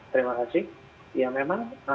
terima kasih ya memang